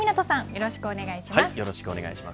よろしくお願いします。